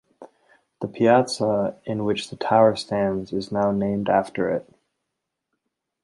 The piazza in which the tower stands is now named after it.